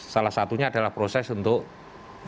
salah satunya adalah proses untuk melakukan